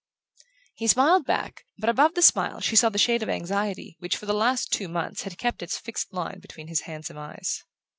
He smiled back, but above the smile she saw the shade of anxiety which, for the last two months, had kept its fixed line between his handsome eyes.